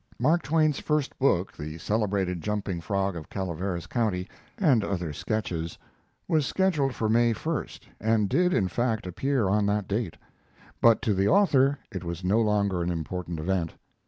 Mark Twain's first book, 'The Celebrated Jumping Frog of Calaveyas County, and Other Sketches', was scheduled for May 1st, and did, in fact, appear on that date; but to the author it was no longer an important event.